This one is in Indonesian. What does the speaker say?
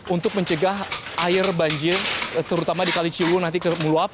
untuk mencegah air banjir terutama di kaliciwul nanti kemulauan